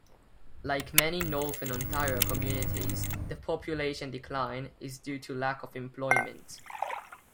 Like many northern Ontario communities, the population decline is due to lack of employment.